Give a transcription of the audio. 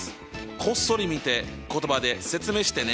こっそり見て言葉で説明してね。